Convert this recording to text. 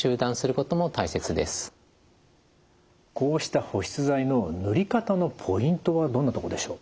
こうした保湿剤の塗り方のポイントはどんなとこでしょう？